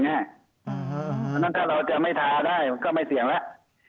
เพราะฉะนั้นถ้าเราจะไม่ทาได้ก็ไม่เสี่ยงแล้ว